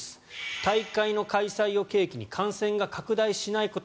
大会の開催を契機に感染が拡大しないこと。